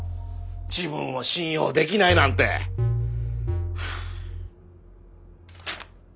自分を信用できないなんて。ハァ。